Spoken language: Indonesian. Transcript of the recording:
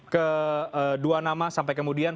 ke dua nama sampai kemudian